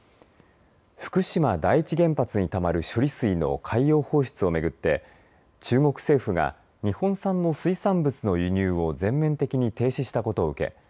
福島第一原発にたまる処理水の海洋放出を巡って中国政府が日本産の水産物の輸入を全面的に停止したことを受け